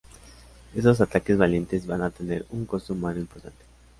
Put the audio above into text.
Estos ataques valientes van a tener un coste humano importante.